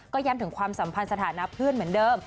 ก็ย้ำถึงความสัมพันธ์สถานะเพื่อนเหมือนเดิม